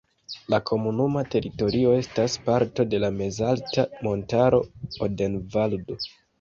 La komunuma teritorio estas parto de la mezalta montaro Odenvaldo.